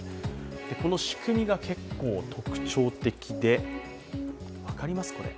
この仕組みが結構特徴的で、分かりますこれ？